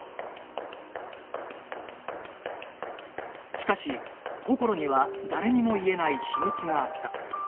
しかしこころには誰にも言えない秘密があった